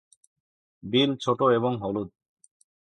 বিল ছোট এবং হলুদ।